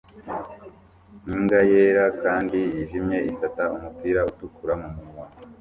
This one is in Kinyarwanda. Imbwa yera kandi yijimye ifata umupira utukura mumunwa